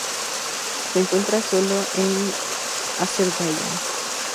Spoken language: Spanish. Se encuentra sólo en Azerbaiyán.